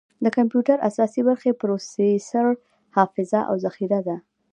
د کمپیوټر اساسي برخې پروسیسر، حافظه، او ذخیره ده.